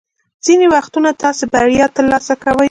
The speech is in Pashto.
ځینې وختونه تاسو بریا ترلاسه کوئ.